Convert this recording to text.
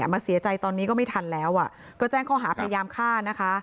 มาเสียใจตอนนี้ก็ไม่ทันแล้วก็แจ้งข้อหาพยายามฆ่านะคะ